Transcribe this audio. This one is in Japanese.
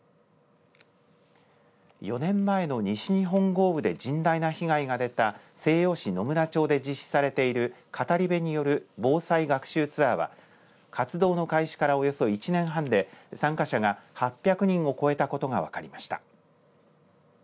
４年前の西日本豪雨で甚大な被害が出た西予市野村町で実施されている語り部による防災学習ツアーは活動の開始からおよそ１年半で参加者が８００人を超えたことが分かりました。